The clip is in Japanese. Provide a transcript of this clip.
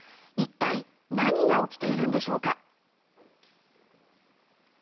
一体、何が起きているんでしょうか。